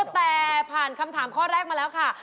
แต่ผ่านคำถามข้อแรกมาแล้วค่ะ